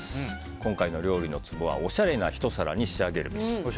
今回の料理のツボはおしゃれな一皿に仕上げるべし。